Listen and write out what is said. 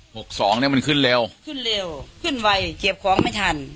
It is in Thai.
สองเนี้ยมันขึ้นเร็วขึ้นเร็วขึ้นไวเก็บของไม่ทัน